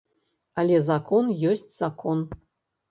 Але закон ёсць закон.